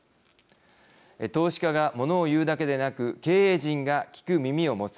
投資家がものを言うだけでなく経営陣が聞く耳を持つ。